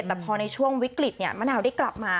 แต่พอในช่วงวิกฤตมะนาวได้กลับมา